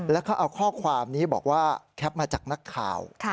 แล้วก็เอาข้อความนี้บอกว่าแคปมาจากนักข่าว